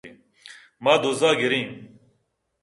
ما دزّ ءَ گر ایں